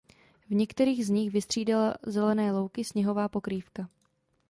V některých z nich vystřídala zelené louky sněhová pokrývka.